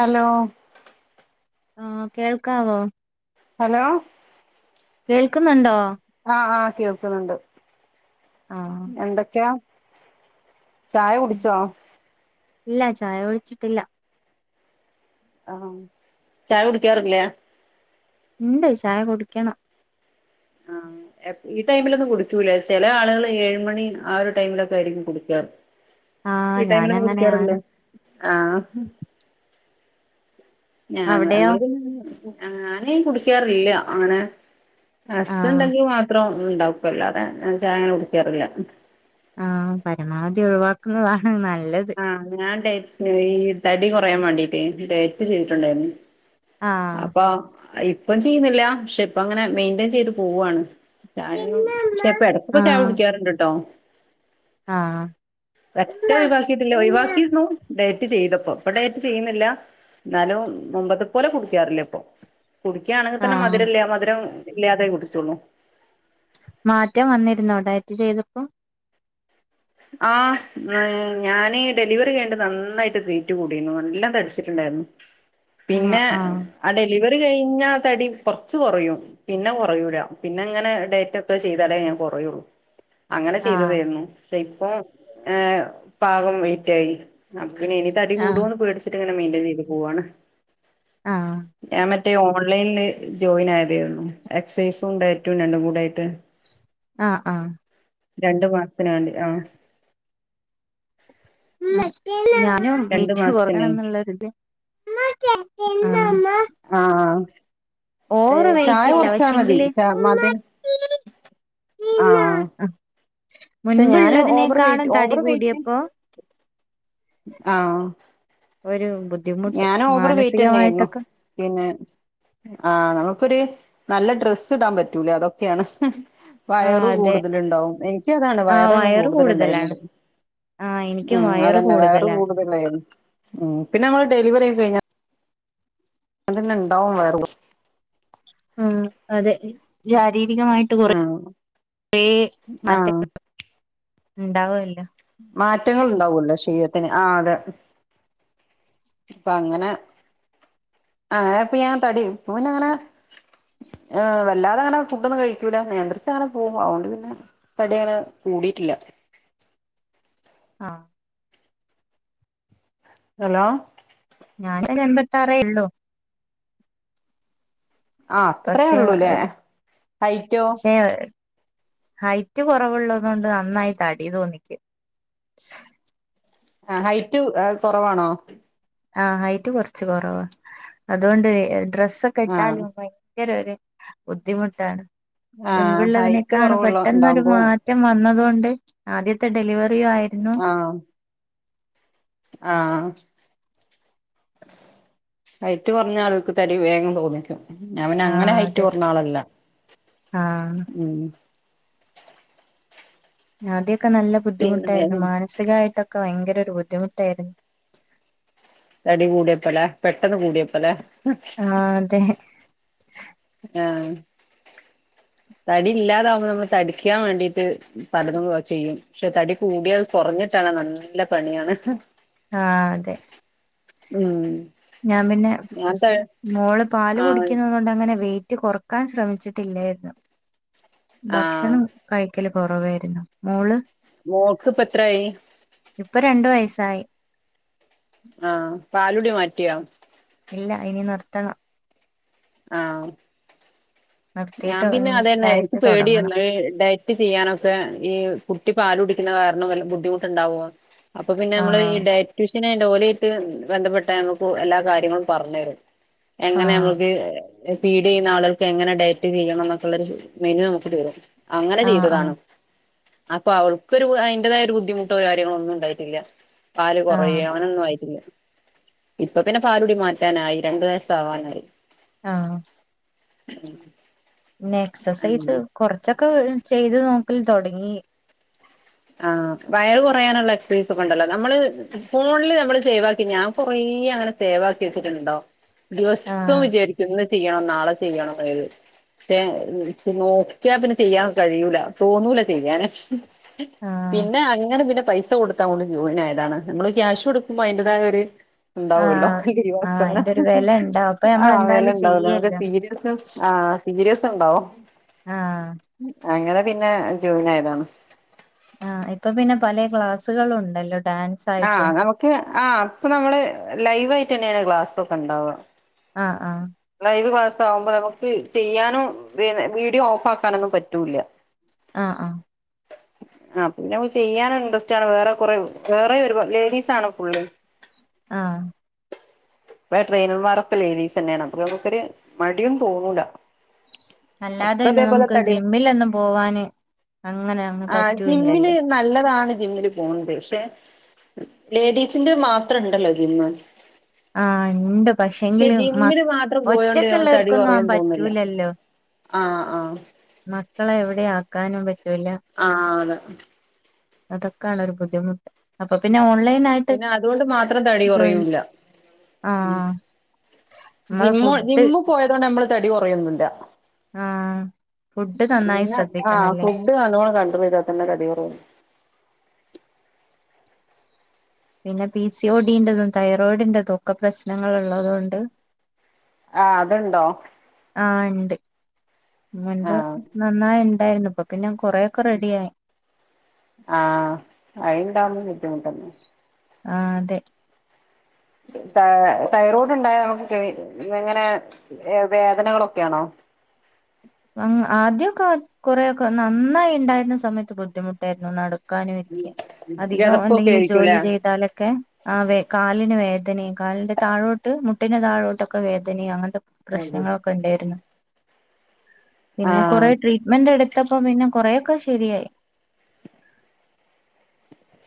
Hello ആഹ് കേൾക്കാവോ hello കേൾക്കുന്നുണ്ടോ ആഹ് ആ കേൾക്കുന്നുണ്ട് ആഹ് എന്തൊക്കെയാ ചായ കുടിച്ചോ ഇല്ല ചായ കുടിച്ചിട്ടില്ല ആഹ് ചായ കുടിക്കാറില്ലെ ഉണ്ട് ചായ കുടിക്കണം ആഹ് ഈ ടൈമിലൊന്നും കുടിക്കൂലെ ചെല ആളുകൾ ഏഴുമണി ആ ഒരു ടൈമിലൊക്കെ ആയിരിക്കും കുടിക്കാറ് ആഹ് ഈ ടൈമിലൊന്നും ഞാനങ്ങനെയാണ് കുടിക്കാറല്ലേ ആഹ് ഞ അവിടെയോ ഞങ്ങള് ഞാനീ കുടിക്കാറില്ല അങ്ങനെ ആഹ് ഹസ്സ്ണ്ടെങ്കി മാത്രം ഉണ്ടാവപ്പ അല്ലാതെ ചായങ്ങനെ കുടിക്കാറില്ല ആഹ് പരമാവധി ഒഴിവാക്കുന്നതാണ് നല്ലത് ആഹ് ഞാൻ ഡയറ്റ് ഈ തടി കുറയാൻ വേണ്ടീട്ട് ഡയറ്റ് ചെയ്തിട്ടുണ്ടായിരുന്നു ആഹ് അപ്പൊ ഇപ്പം ചെയ്യുന്നില്ല പക്ഷെ ഇപ്പ അങ്ങനെ മെയിന്റ്റയിൻ ചെയ്ത് പോവാണ് ചായൊന്നും ഇപ്പ ഇടകൊക്കെ ചായ കുടിക്കാറുണ്ട്ട്ടോ ആഹ് പറ്റ ഒഴിവാക്കിട്ടില്ല ആഹ് ഒഴിവാക്കിരുന്നു ഡയറ്റ് ചെയ്തപ്പോ ഇപ്പൊ ഡയറ്റ് ചെയ്യുന്നില്ല എന്നാലും മുമ്പത്തെ പോലെ കുടികാറില്ല ഇപ്പൊ കുടിക്യണെങ്കിൽ തന്നെ ആഹ് മധുരല്ല മധുരം ഇല്ലാതെ കുടികൊള്ളൂ മാറ്റം വന്നിരുന്നോ ഡയറ്റ് ചെയ്തപ്പോൾ ആഹ് ഞനീ ഡെലിവറി കഴിഞ് നന്നായിട്ട് വെയ്റ്റ്കൂടിനു നല്ലം തടിച്ചിട്ടുണ്ടായിരുന്നു ആഹ് പിന്നെ ആഹ് ആ ഡെലിവറി കഴിഞ്ഞ തടി കുറച്ച് കുറയും പിന്നെ കുറയൂല പിന്നെ ഇങ്ങനെ ഡയറ്റ് ഒക്കെ ചെയ്താലേ ഞാൻ കുറയുള്ളൂ അങ്ങനെ ആഹ് ചെയ്തതേയ്രുന്നു പക്ഷെ ഇപ്പം ഏ പാകം വെയ്റ്റായി അപ്പപിന്നെ ഇനി തടി ആഹ് കൂടുവോന്ന് പേടിച്ചിട്ട് ഇങ്ങനെ മെയ്ൻ്റെയ്ൻ ചെയ്ത് പോവാണ് ആഹ് ഞാൻ മറ്റേ ഓൺലൈനില് ജോയിൻ ആയതേയിര്ന്നു എക്സൈസും ഡയറ്റും രണ്ടും കൂടായിട്ട് ആഹ് ആഹ് രണ്ട് മാസ്ത്തിന് വേണ്ടി ആഹ് ഞാനും രണ്ടു വെയ്റ്റ് മാസത്തിനെ കൊറയണംന്നുള്ളൊര്ത് ആഹ് ആഹ് ഓവർ ഏഹ് ചായ വെയിറ്റ് ഇല്ല കൊർച്ചാ മതി പക്ഷെങ്കില് ചാ മധിരം ആഹ് പക്ഷെ ഞാന് ഓവർ മുൻപുള്ളതിനേക്കാളും വെയ്റ്റ് തടി ഓവർ വെയറ്റ് കൂടിയപ്പോ ആഹ് ഒരു ബുദ്ധിമുട്ട് ഞാൻ ഓവർ വെയിറ്റ് മാനസികമായിട്ടൊക്ക പിന്നെ ആഹ് നമുക്കൊര് നല്ല ഡ്രെസ്സ്ടാൻ പറ്റൂല അതൊക്കെയാണ് ആ വയറ് അതെ കൂടുതല്ണ്ടാവും എനിക്കതാണ് ആ വയറാണ് വയറ് കൂടുതലാണ് കൂടുതല്ണ്ടായിര്ന്നത് ആ എനിക്കും മ്മ് വയറ് അതന്നെ വയറ് കൂടുതലാണ് കൂടുതലായിരുന്നു മ്മ് പിന്നെ അമ്മളെ ഡെലിവറിയൊകെ കഴിഞ്ഞാ തന്നെ ഇണ്ടാവും വയറ് കൊറ് മ്മ് അതെ ശാരീരികമായിട്ട് കൊറേ ഉം കൊറേ ആ മാറ്റ ഇണ്ടാവല്ലോ മാറ്റങ്ങൾ ഇണ്ടാവല്ലോ ശരീരത്തിന് ആ അതെ അപ്പം അങ്ങനെ അങ്ങനെപ്പൊ ഞാൻ തടി ഇപ്പം പിന്നങ്ങനെ ഏ വല്ലാതങ്ങനെ ഫുഡൊന്നും കഴിക്കൂല നിയന്ത്രിച്ചങ്ങനെ പോവും അവോണ്ട് പിന്നെ തടിയങ്ങനെ കൂടിയിട്ടില്ല ആഹ് ഹലോ ഞാനൊരെൺപത്താറേള്ളു ആ അത്രേ പക്ഷെ ഉള്ളൂല്ലേ ഹൈറ്റോ പക്ഷെ ഹൈറ്റ് കൊറവുള്ളതോണ്ട് നന്നായി തടി തോന്നിക്കും ആഹ് ഹൈറ്റ് കൊറവാണോ ആ ഹൈറ്റ് കൊർച്ച് കൊറവാ അതുകൊണ്ട് ഡ്രസ്സൊക്കെ ആഹ് ഇട്ടാലും ഭയങ്കര ഒര് ബുദ്ധിമുട്ടാണ് ആഹ് ഹൈറ്റ് മുൻപുള്ളതിനേക്കാൾ കുറവുള്ള പെട്ടെന്നൊര് ഉണ്ടാവുമ്പോ മാറ്റ് [unintelligible] വന്നതൊണ്ട് ആദ്യത്തെ ഡെലിവറി ആയിരുന്നു ആഹ് ആഹ് ഹൈറ്റ് കൊറഞ്ഞാൾക്ക് തടി വേഗം തോന്നിക്കും ഞാൻ പിന്നെ അങ്ങനെ ആഹ് ഹൈറ്റ് അതെ കൊറഞ്ഞാളല്ല ആഹ് മ്മ് ആദ്യൊക്കെ നല്ല പിന്നെ ബുദ്ധിമുട്ടായിരുന്നു മാനസികായിട്ടൊക്കെ ഭയങ്കരൊരു ബുദ്ധിമുട്ടായിരുന്നു തടി കൂടിയപ്പ ലെ പെട്ടെന്ന് കൂടിയപ്പം ലേ ആഹ് അതെ ആഹ് തടി ഇല്ലാതാവുമ്പ നമ്മള് തടിക്കാൻ വേണ്ടീട്ട് പലതും ചെയ്യും പക്ഷെ തടി കൂടിയാൽ കൊറഞ്ഞിട്ടാന് നല്ല പണിയാണ് ആഹ് അതെ മ്മ് ഞാൻ പിന്നെ മോള് പാല് ആഹ് കുടിക്കുന്നതോൺ അങ്ങനെ വെയിറ്റ് കൊറക്കാൻ ശ്രമിച്ചിട്ടില്ലായ്രുന്നു ആഹ് ഭക്ഷണം ഭക്ഷണം കഴിക്കല് കൊറവായിരുന്നു മോള് മോൾക്ക് ഇപ്പൊ എത്രായി ഇപ്പൊ രണ്ട് വയസ്സായി ആഹ് പാലുടി മാറ്റിയോ ഇല്ല ഇനി നിർത്തണം ആഹ് നിർത്തിയിട്ട് ഞാൻ പിന്നെ അതെന്നെ ഇതായിട്ട് എനിക്ക് തുടങ്ങണം പേടിയായിരുന്നു. കുട്ടി ചെയ്യാനൊക്കെ ഈ കുട്ടി പാല കുടിക്കുന്ന കാരണം വല്ല ബുദ്ധിമുട്ടുണ്ടാവോ അപ്പൊ പിന്നെ നമ്മള് ഈ ആഹ് ഡയ ട്യൂഷൻ കാലി ആയിട്ട് ബന്ധപ്പെട്ട നമുക്ക് എല്ലാ കാര്യങ്ങളും പറഞ്ഞു തരും. എങ്ങനെ ആഹ് നമ്മൾക്ക് ഫീഡ് ചെയ്യുന്ന ആളുകക്ക് എങ്ങനെ ഡയറ്റ് ചെയ്യണം എന്നൊക്കുള്ള ഒരു മെനു നമുക്ക് തരും. അങ്ങനെ ആഹ് ആഹ് ചെയ്തതാണ്. അപ്പൊ അവൾക്കൊരു അതിന്റതായ ഒരു ബുദ്ധിമുട്ടോ കാര്യങ്ങളോ ഒന്നും ഉണ്ടായിട്ടില്ല. പാല് കുറയ ആഹ് അങ്ങനൊന്നും ആയിട്ടില്ല ഇപ്പൊ പിന്നെ പാലുടി മാറ്റാനായി രണ്ടു വയസ ആവാനായി ആഹ് ഉ പിന്നെ എക്സസൈസ് കൊറച്ചൊക്കെ ചെയ്ത് നോക്കൽ തുടങ്ങി ആ വയർ കുറയാനുള്ള എക്സൈസ് ണ്ടല്ലോ നമ്മള് ഫോണില് നമ്മള് സേവ് ആക്കി ഞാൻ കൊറ അങ്ങനെ സേവക്കിവച്ചിട്ടുണ്ടോ ദിവസം ആഹ് വിചാരിക്കുന്ന് ഇന്ന് ചെയ്യണം നാളെ ചെയ്യണന്ന്. പക്ഷേ നോക്കിയാ പിന്നെ ചെയ്യാൻ കഴൂല തോന്നൂല ചെയ്യാന്. ആഹ് പിന്നെ അങ്ങനെ പിന്നെ പൈസ കൊടുത്താണ്ട് ജോയിൻ ആയതാണ് നമ്മള് ക്യാഷ് കൊടുക്കുമ്പോ അതിന്റതായ ഒരു ഉണ്ടാവല്ലോ ആഹ് ലീവ് ആഹ് ആക്കുവാന അയിന്റെ ഒരു വില ഉണ്ടാവും അപ്പൊ നമ്മൾ ആന് വെല എന്തായാലും ഉണ്ടാവുല്ല നമുക്ക് ചെയ്യല്ലോ സീരിയസ് നസ് ആഹ് സീരിയസ് ഉണ്ടാവോ ആഹ് അങ്ങനെ പിന്നെ ജോയിൻ ആയതാണ് ആഹ് ഇപ്പൊ പിന്നെ പല ക്ലാസ്സുകള് ഉണ്ടല്ലോ ഡാൻസ് ആഹ് ആയിട്ടും നമുക്ക് ആ അപ്പൊ നമ്മള് ലൈവ് ആയിട്ട് തന്നെയാണ് ക്ലാസ്സൊക്കെ ഉണ്ടാവുക. ആഹ് ആഹ് ലൈവ് ക്ലാസ് ആവുമ്പോ നമുക്ക് ചെയ്യാനും വീഡിയോ ഓഫ് ആക്കാനൊന്നും പറ്റൂല്ല. ആ ഹ്ആഹ് ഉ ആഹ് പിന്നെ നക്ക് ചെയ്യാന് ഇൻട്രസ്റ്റ് ആണ് വേറെ കുറെ വേറെ ഒരു ലേഡീസ് ആണ് ഫുള്ള് ആഹ് ഇപ്പെ ട്രെയിനർമാരെക്കെ ലേഡീസ് തന്നെയാണ് അപ്പൊ നമുക്കൊരു മടിയും തോന്നൂല അല്ലാതെ ഒക്കെ തന്നെ അതേപോലെ നമുക്ക് തടി ജിമ്മിൽ ലൊന്നും പോവാന് അങ്ങനെ അങ്ങ് ആഹ് ജിമ്മില് പറ്റൂല്ലല്ലോ നല്ലതാണ് ജിമ്മില് പോണത് പക്ഷെ ലേഡീസിന്റെ മാത്രം ഉണ്ടല്ലോ ജിമ്മ് ആഹ് ഇണ്ട് പക്ഷെ എങ്കിലും ജിമ്മില് മാത്രം പോയോണ്ട് ഞമ്മളെ തടി കുറയുന്ന് തോന്നുന്നില്ല പറ്റൂലല്ലോ ആഹ് ആഹ് മക്കളെ എവിടെ ആക്കാനും പറ്റൂല്ല. ആ ന്ന് അതൊക്കെയാണ് ഒരു ബുദ്ധിമുട്ട് അപ്പൊ പിന്നെ ഓൺലൈൻ ആയിട്ട് പിന്നെ അതുകൊണ്ട് മാത്രം തടി ജോയിൻ കുറയുല്ല ആഹ് നമ്മളെ ജിമ്മ് ഫുഡ് ജിമ്മ് പോയതോണ്ട് നമ്മള് തടി കുറയൊന്നില്ല ആഹ് ഫുഡ് നന്നായി ആഹ് ശ്രദ്ധിക്കണല്ലേ ഫുഡ് നല്ലോണം കട്രോൾ ചെയ്ത തന്നെ തടി കുറയുതുള്ളു പിന്നെ പി സി ഒഡിന്റെതും തൈറോയിഡിറതും ഒക്കെ പ്രശ്നങ്ങൾ ഉള്ളതുകൊണ്ട് ആഹ് അതുണ്ടോ ആഹ് ഉണ്ട് മുൻപ് ആഹ് നന്നായി ഉണ്ടായിരുന്നു ഇപ്പൊ പിന്നെ കൊറെ ഒക്കെ റെഡിയായി ആഹ് അയിണ്ടാവന്ന് ബുദ്ധിമുട്ടന്നെ ആ ഹ്അതെ ത തൈറോയ്ഡ് ഉണ്ടായ നമുക്ക് എങ്ങനെ വേദനകളൊക്കെയാണോ ആദ്യമൊക്കെ കൊറെയൊക്കെ നന്നായി ഉണ്ടായിരുന്ന സമയത്ത് ബുദ്ധിമുട്ടായിരുന്നു നട ക്കാനുവെക്ക അധികം കിതപ്പൊക്കെ ആയിരിക്കൂലേ എന്തെങ്കിലുംജോലി ചെയ്താല് ഒക്കെ ആ വേ കാലിന് വേദനീം കാലിന്റെ താഴോട്ട് മുട്ടിന്റെ താഴോട്ടൊക്കെ വേദനീം അങ്ങനത്തെ ആഹ് പ്രശ്നങ്ങളൊക്കെണ്ടായിരുന്നു പിന്നെ കൊറേ ട്രീറ്റ്മെന്റെട്ത്തപ്പോ പിന്നെ കൊറേയൊക്കെ ശെരിയായി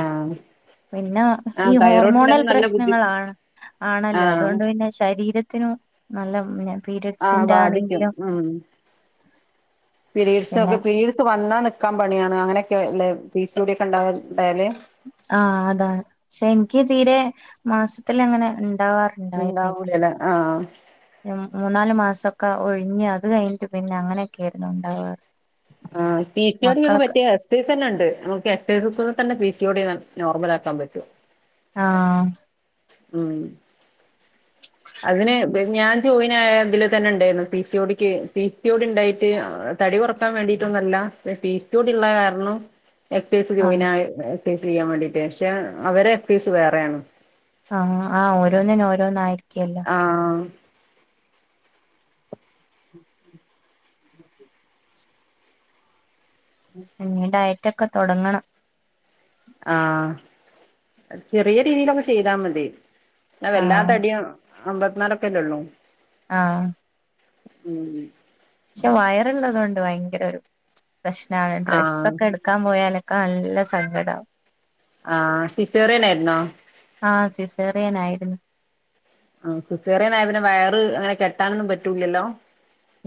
ആഹ് പിന്നെ ഈ ആഹ് തൈറോയ്ഡ് ഹോർമോണൽ ഉണ്ടെങ്കിൽ നല്ല ബുദ്ധി പ്രശ്നങ്ങളാണ് ആണല്ലോ ആഹ് അതുകൊണ്ട് പിന്നെ ശരീരത്തിനും നല്ല പിന്നെ ആഹ് ബാധിക്കും പീരിഡ്സിന്റാണെങ്കിലും പീരീഡ്സൊക്കെ പീരീഡ്സ് വന്നാ നിക്കാൻ പണിയാണ് അങ്ങനെക്കെല്ല പീ സി ഒ ടി യൊക്കെണ്ടായാ ഉണ്ടാവല്? ആഹ് അതാണ് പക്ഷേ ഇനിക്ക് തീരെ മാസത്തിലങ്ങനെ ഇണ്ടാവാറ് ണ്ടായിര്ന്നില്ല ഉണ്ടാവൂലല്ല ആഹ് മൂന്നാല് മാസൊക്കെ ഒഴിഞ്ഞ് അത് കഴിഞ്ഞിട്ട് പിന്നെ അങ്ങനെക്കെര്ന്ന് ണ്ടാവാറ് ആഹ് പി സി ഒ ടി ക്കൊക്കെ പറ്റ്യേ എക്സൈസന്നെണ്ട് നമുക്ക് എക്സൈസ്കൂടെ തന്നെ പി സി ഒ ടി നോർമലാക്കാൻ പറ്റും ആഹ് ഉം അതിന് ഞാൻ ജോയിനായതില് തന്നെണ്ടായീന്ന് പി സി ഒ ടിക്ക് പി സി ഓ ടി ണ്ടായിട്ട് തടികൊ റക്കാൻ വേണ്ടീട്ടൊന്നുവല്ല പി സി ഓ ടിള്ള കാരണം എക്സൈസ് ആഹ് ജോയിനായേ എക്സൈസ് ചെയ്യാൻ വേണ്ടീട്ടേ പക്ഷെ അവരെ എക്സൈസ് വേറെയാണ് ആഹ് ആ ഓരോന്നിനും ഓരോന്നായിരിക്കല്ലോ ആഹ് ഇഞ്ഞി ഡയറ്റൊക്കെ തൊടങ്ങണം ആഹ് ചെറിയ രീതിയിലൊക്കെ ചെയ്താ മതി പിന്നെ വെല്ലാ ആഹ് തടിയും അമ്പത്ത്നാലൊക്കെല്ലൊള്ളൂ ആഹ് ഉം പക്ഷേ വയറ്ള്ളത് കൊണ്ട് ഭയങ്കരൊരു പ്രശ്നാണ് ആഹ് ഡ്രസ്സൊക്കെ ഇടു ക്കാൻ പോയാലൊക്കെ നല്ല സങ്കടാവും ആഹ് സിസേറിയനായിര്ന്നോ? ആഹ് സിസേറിയനായിര്ന്നു ആഹ് സിസേറിനായ പിന്നെ വയറ് അങ്ങനെ കെട്ടാനൊന്നും പറ്റൂല്ലല്ലോ?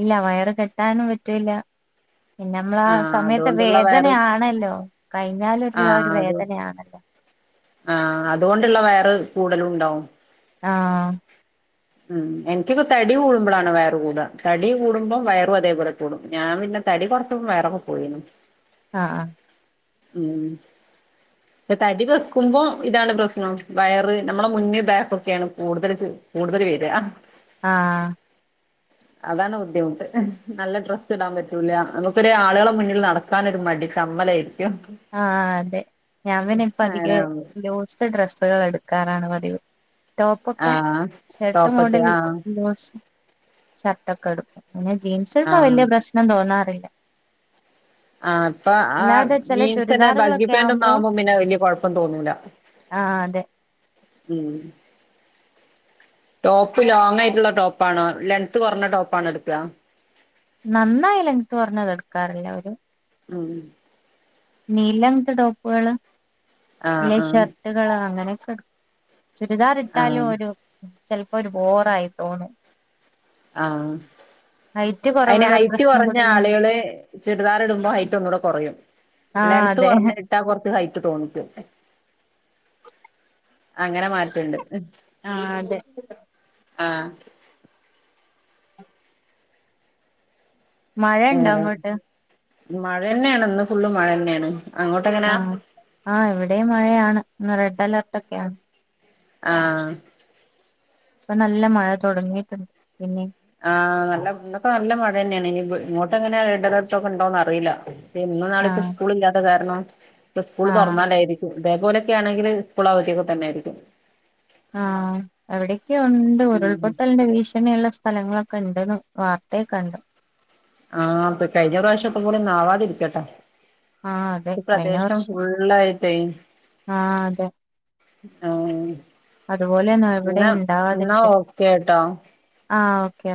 ഇല്ല വയറ് കെട്ടാനും പറ്റൂല്ല പിന്നമ്മളാ ആ ആഹ് സമയത്തെ അതുകൊണ്ടുള്ള വയറ് വേദനയാണല്ലോ കഴിഞ്ഞാലൊട്ട്ള്ള ആ ആഹ് ഒരു അത് വേദനയാണല്ലോ? ആഹ് അത്കൊണ്ട്ള്ള വയറ് കൂടലുണ്ടാവും ആഹ് ഉം എനിക്കക്കെ തടി കൂടുമ്പളാണ് വയറ് കൂട തടി കൂടുമ്പോം വയറും അതേപോലെ കൂടും ഞാ പിന്നെ തടി കൊർച്ചപ്പോ വയറൊക്കെ പോയിണ് ആഹ് ആഹ് ഉം പക്ഷേ തടി വെക്കുമ്പോ ഇതാണ് പ്രശ്നം വയറ് നമ്മളെ മുന്ന് ബാക്കൊക്കേണ് കൂട്തല് കൂട്തല് വെര ആഹ് അതാണ് ബുദ്ധിമുട്ട് നല്ല ഡ്രസ്സിടാൻ പറ്റൂല നമ്മ്ക്കൊരു ആളുകളെ മുന്നില് നടക്കാ നൊരു മടി ചമ്മലായിര്ക്കും ആഹ് അതെ ഞാൻ പിന്നെ ഇപ്പധികം അങ്ങനാവുമ്പോ ലൂസ് ഡ്രസ്സുകളെടും ക്കാറാണ് പതിവ് ടോപ്പൊക്കെ ആഹ് ഷർട്ട് ടോപ്പൊക്കെ മോഡൽ ആഹ് ലൂസ് ഷർട്ടൊക്കെ ട്ക്കും പിന്നെ ജീൻസ് ഇടുംമ്പോ ആഹ് വലിയ പ്രശ്നം തോന്നാറില്ല ആ അപ്പൊ ആ അല്ലാതെ ചില ജീൻസന്നെ ചുരിദാറുകളൊക്കെ ബഗ്ഗിപ്പാന്റൊന്നും ആവുമ്പോ ആകുമ്പോ പിന്നെ വലിയ കൊഴപ്പം തോന്നൂല ആഹ് അതെ [unintelligible] ടോപ്പ് ലോങ് ആയിട്ടുള്ള ടോപ്പാണോ ലെങ്ത്ത് കുറഞ്ഞ ടോപ്പാണോ എടുക്കുക നന്നായി ലങ്ത്ത് കൊറഞ്ഞത് എടുക്കാറില്ല ഒരു ഉം നീലങ്ങത്തെ ടോപ്പുകള് അല്ലെ ആഹ് ആഹ് ഷർട്ടുകള് അങ്ങനെയൊക്കെ എടുക്കും ചുരിദാർ ഇട്ടാലും ആഹ് ഒരു ചെൽപ്പോ ഒരു ബോറായി തോന്നും ആഹ് ഹൈറ്റ് അയിന് കുറവുള്ള ഒരു ഹൈറ്റ് പ്രശ്നം കുറഞ്ഞ കൂടെള്ളോണ്ട് ആളുകള് ചുരിദാർ ഇടുമ്പോ ഹൈറ്റ് ഒന്നുകൂടെ കുറയും ആഹ് അതെ ട്ടാ കൊറച്ച് ഹൈറ്റ് തോന്നിക്കും അങ്ങനെ മാ ണ്ട് ആഹ് മഴ ഉണ്ടോ അങ്ങോട്ട് [unintelligible] മഴ ന്നെയാണ് ഇന്ന് ഫുള്ള് മഴ തന്നെയാണ് ആഹ് ആ ഇവിടെയും മഴയാണ് റെഡ് അലേർട്ടൊക്കെയാണ് ആഹ് ഇപ്പൊ നല്ല മഴ തുടങ്ങിയിട്ടുണ്ട് പിന്നിം ആഹ് നല്ല ഇന്നൊക്കെ നല്ല മഴ തന്നെയാണ് ഇനി ഇങ്ങോട്ട് എങ്ങനെ റെഡ് അലെർട്ടൊക്കെ ഉണ്ടോന്ന് അറിയില്ല പ്പൊ ഇന്നും നാളെക്കെ ആഹ് സ്കൂൾ ഇല്ലാത്ത കാരണം ഇപ്പ സ്കൂള് ആഹ് തുറന്നാലായിരിക്കും ഇതേപോലൊക്കെ ആണെങ്കിൽ സ്കൂൾ അവധിയൊക്കെ തന്നൊയിരിക്കും ആഹ് എവിടയൊക്കെയോ ഉണ്ട് ഉം ഉരുൾപൊട്ടലിന്റെ വീശ് ഇങ്ങനെയുള്ള സ്ഥലങ്ങളൊക്കെ ഉണ്ടെന്ന് വാർത്തയെ കണ്ട് ആഹ് പ്പൊ കഴിഞ്ഞ പ്രാവശ്യത്തെ പോലൊന്നും ആവാതിരിക്കട്ടെ ആഹ് അതെ കഴിഞ്ഞ പ്രദേശം വർഷം ഫുൾ ള്ളായിട്ടേ ആഹ് അതെ ആ അതുപോലെയൊന്നും എവിടെ ഇന്നാ ഇന്നാ ഉണ്ടാവാതിരിക്കട്ടെ ഓക്കെ ട്ടോ ആഹ് ഓക്കെ